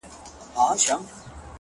o دا کتاب ختم سو نور. یو بل کتاب راکه.